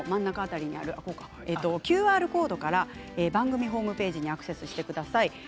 ＱＲコードから番組ホームページにアクセスしてください。